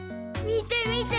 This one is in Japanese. みてみて！